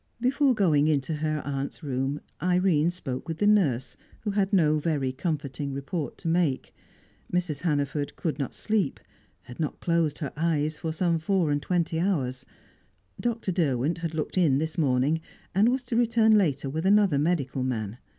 Before going into her aunt's room, Irene spoke with the nurse, who had no very comforting report to make; Mrs. Hannaford could not sleep, had not closed her eyes for some four and twenty hours; Dr. Derwent had looked in this morning, and was to return later with another medical man.